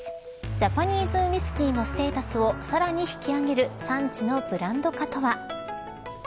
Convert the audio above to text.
ジャパニーズウイスキーのステータスをさらに引き上げる産地のブランド化とは。